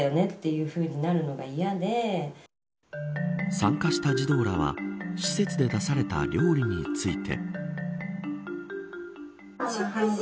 参加した児童らは施設で出された料理について。